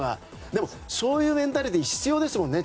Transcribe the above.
でも、そういうメンタリティーも必要ですもんね。